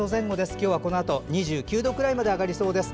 今日はこのあと２９度くらいまで上がりそうです。